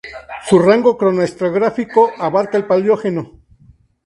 Su rango cronoestratigráfico abarcaba el Paleógeno.